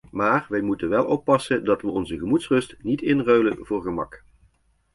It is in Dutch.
Maar wij moeten wel oppassen dat we onze gemoedsrust niet inruilen voor gemak.